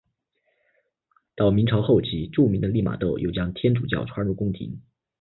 到明朝后期著名的利玛窦又将天主教传入宫廷。